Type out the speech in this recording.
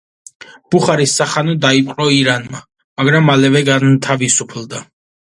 ბუხარის სახანო დაიპყრო ირანმა, მაგრამ მალე განთავისუფლდა.